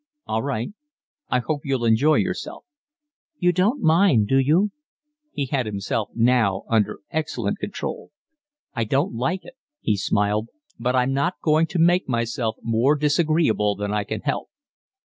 "All right. I hope you'll enjoy yourself." "You don't mind, do you?" He had himself now under excellent control. "I don't like it," he smiled, "but I'm not going to make myself more disagreeable than I can help."